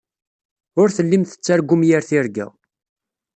Ur tellim tettargum yir tirga.